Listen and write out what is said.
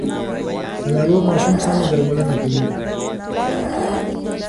د ناروغ ماشوم سم درملنه کوي.